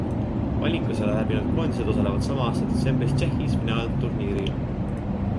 Valikusõela läbinud koondised osalevad sama aasta detsembris Tšehhis finaalturniiril.